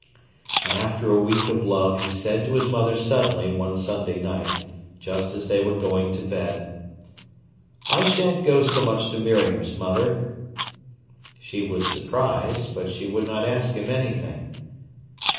And after a week of love he said to his mother suddenly one Sunday night, just as they were going to bed: "I shan't go so much to Miriam's, mother." She was surprised, but she would not ask him anything.